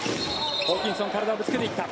ホーキンソン体をぶつけていった。